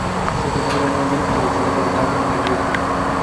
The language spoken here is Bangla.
সে ধনী ঘরের মেয়ে, বিরক্ত হয়ে চলে গেল দার্জিলিঙে ইংরেজি কলেজে।